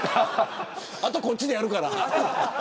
あとこっちでやるから。